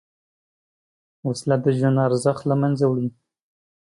وسله د ژوند ارزښت له منځه وړي